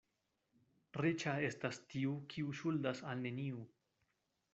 Riĉa estas tiu, kiu ŝuldas al neniu.